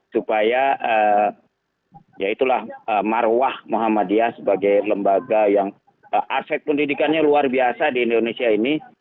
supaya ya itulah marwah muhammadiyah sebagai lembaga yang aspek pendidikannya luar biasa di indonesia ini